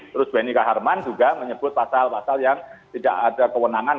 terus benny kaharman juga menyebut pasal pasal yang tidak ada kewenangan